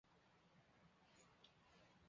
八月予致仕离去。